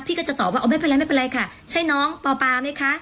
ก็จะตอบว่าไม่เป็นไรไม่เป็นไรค่ะใช่น้องปอปาไหมคะ